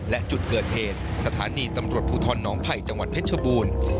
และจุดเกิดเหตุสถานีตำรวจภูทรน้องไผ่จังหวัดเพชรชบูรณ์